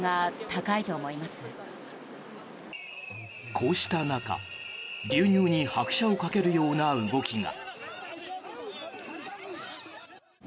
こうした中、流入に拍車を掛けるような動きが。